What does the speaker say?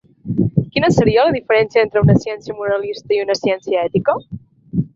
Quina seria la diferència entre una ciència moralista i una ciència ètica?